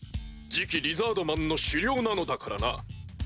次期リザードマンの首領なのだからな。